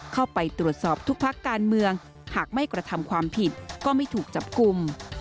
เข้าไปตรวจสอบทุกพักการเมืองหากไม่กระทำความผิดก็ไม่ถูกจับกลุ่ม